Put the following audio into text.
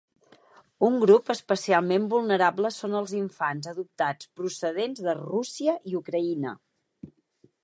Un grup especialment vulnerable són els infants adoptats procedents de Rússia i Ucraïna.